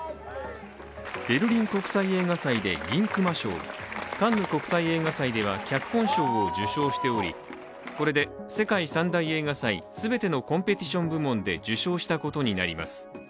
ベルリン国際映画賞で銀熊賞カンヌ国際映画祭では脚本賞を受賞しておりこれで世界三大映画祭全てのコンペティション部門で受賞したことになります。